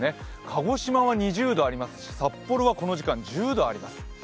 鹿児島は２０度ありますし、札幌はこの時間１０度あります。